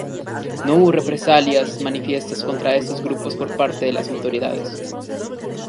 No hubo represalias manifiestas contra estos grupos por parte de las autoridades.